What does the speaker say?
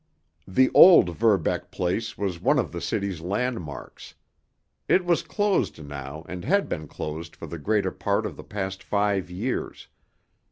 The old Verbeck place was one of the city's landmarks. It was closed now, and had been closed for the greater part of the past five years.